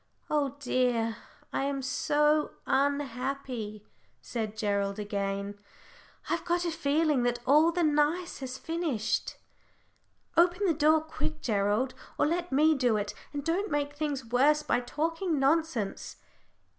"Oh dear, I am so unhappy!" said Gerald, again. "I've got a feeling that all the nice has finished." "Open the door quick, Gerald, or let me do it, and don't make things worse by talking nonsense."